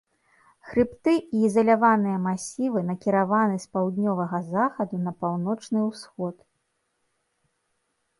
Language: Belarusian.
Хрыбты і ізаляваныя масівы накіраваны з паўднёвага захаду на паўночны ўсход.